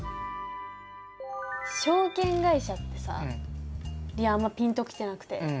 証券会社ってさりあんあんまピンと来てなくて。